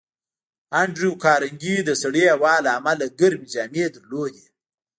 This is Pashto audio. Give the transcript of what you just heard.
انډریو کارنګي د سړې هوا له امله ګرمې جامې درلودې